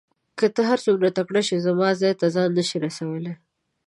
که ته هر څوره تکړه شې زما ځای ته ځان نه شې رسولای.